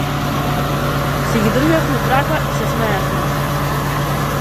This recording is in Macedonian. Си ги држиме в рака и се смееме.